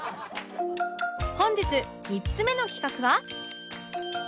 本日３つ目の企画は